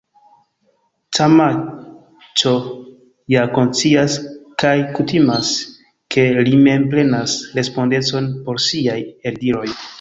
Camacho ja konscias kaj kutimas ke li mem prenas respondecon por siaj eldiroj.